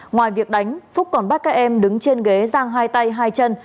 ngoài việc đánh phúc còn bắt các em đứng trên ghế giang hai tay hai chân